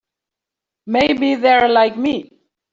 Maybe they're like me.